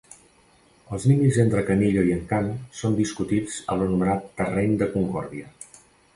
Els límits entre Canillo i Encamp són discutits a l'anomenat Terreny de Concòrdia.